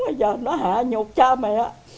bây giờ nó hạ nhục cha mẹ